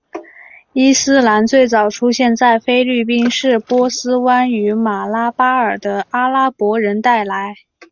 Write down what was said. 伊斯兰最早出现在菲律宾是波斯湾与马拉巴尔的阿拉伯人带来。